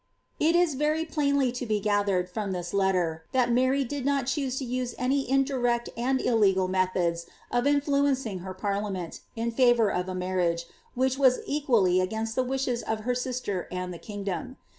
It is very plajnljr to b« gnthemil, from this letter, that Msiy did not choose lo use any indirect atid illegal methods of influencing her parlig nieni, in favour of a marriage, wliich was equally against the tvislim of her sister and the kingdom.